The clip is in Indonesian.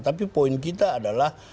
tapi poin kita adalah